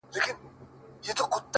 o گلي پر ملا باندي راماته نسې،